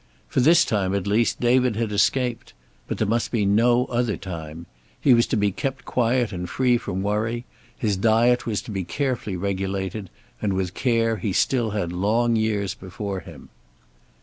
For this time, at least, David had escaped, but there must be no other time. He was to be kept quiet and free from worry, his diet was to be carefully regulated, and with care he still had long years before him.